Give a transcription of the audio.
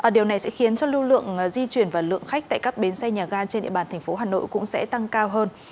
điều này sẽ khiến cho lưu lượng di chuyển và lượng khách tại các bến xe nhà ga trên địa bàn thành phố hà nội cũng sẽ tăng cao hơn